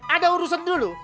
ada urusan dulu